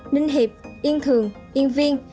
ninh hiệp yên thường yên viên